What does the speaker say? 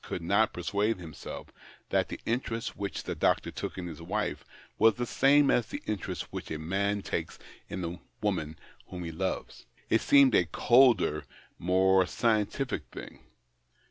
65 could not persuade liimself that tlie interest which the doctor took in his wife was the same as the interest which a man takes in the woman whom he loves ; it seemed a colder, more scientific, thing.